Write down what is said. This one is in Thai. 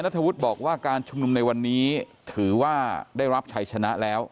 ธวุฒิบอกว่าการชุมนุมในวันนี้ถือว่าได้รับชัยชนะแล้ว